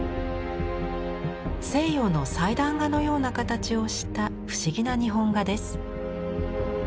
西洋の祭壇画のような形をした不思議な日本画です。